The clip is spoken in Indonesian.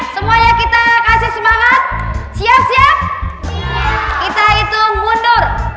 semuanya kita kasih semangat siap siap kita itu mundur tiga ratus dua puluh satu